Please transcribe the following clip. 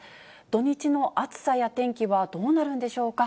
土日の暑さや天気はどうなるんでしょうか。